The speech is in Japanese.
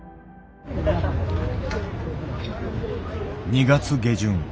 ２月下旬。